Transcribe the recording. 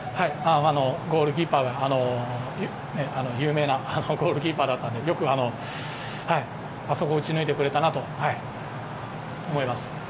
ゴールキーパーが有名なゴールキーパーだったのでよく、あそこを打ち抜いてくれたなと思います。